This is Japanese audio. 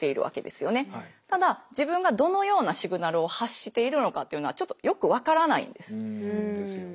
ただ自分がどのようなシグナルを発しているのかっていうのはちょっとよく分からないんです。ですよね。